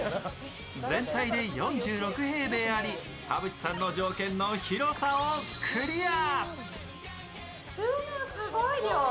全体で４６平米あり田渕さんの条件の広さをクリア。